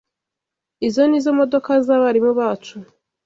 Izi nizo modoka zabarimu bacu.